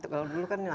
kalau dulu kan